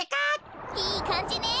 いいかんじね。